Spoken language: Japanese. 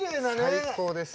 最高です。